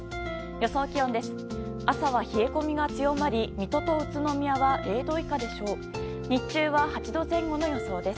予想気温です。